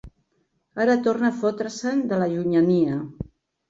Ara torna a fotre-se'n des de la llunyania.